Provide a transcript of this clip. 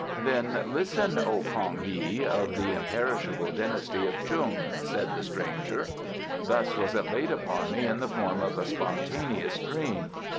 "Then listen, O K'ong hi, of the imperishable dynasty of Chung," said the stranger. "Thus was it laid upon me in the form of a spontaneous dream.